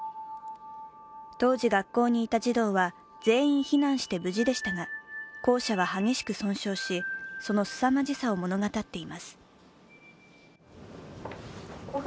当時学校にいた児童は全員避難して無事でしたが、校舎は激しく損傷し、その凄まじさを物語っています。